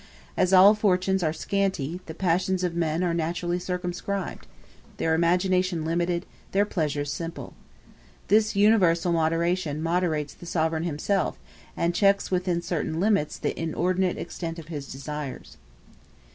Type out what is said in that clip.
As all fortunes are scanty, the passions of men are naturally circumscribed their imagination limited, their pleasures simple. This universal moderation moderates the sovereign himself, and checks within certain limits the inordinate extent of his desires.